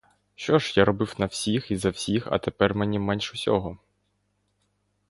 Що ж я, робив на всіх і за всіх, а тепер мені менш усього.